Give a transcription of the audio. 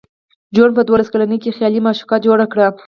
جون په دولس کلنۍ کې خیالي معشوقه جوړه کړه